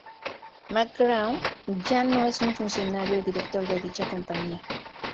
McGraw ya no es un funcionario o director de dicha compañía.